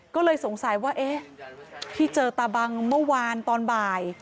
ก็เลยสงสัยว่าเอ๊ะที่เจอตาบังเมื่อวานตอนบ่าย